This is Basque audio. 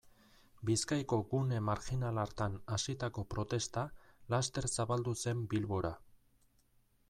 Bizkaiko gune marjinal hartan hasitako protesta laster zabaldu zen Bilbora.